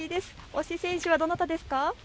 推し選手はどなたですか。